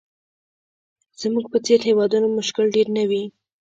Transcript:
زموږ په څېر هېوادونو مشکل ډېر نه دي.